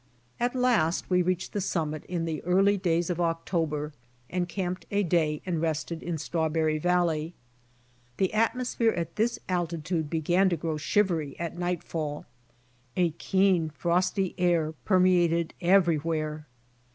At last we reached the summit in the early days of October and camped a day and rested in Strawberry valley. The atmosphere at this alti tude began to grow shivery at nightfall. A keen, frosty air permeated everywhere.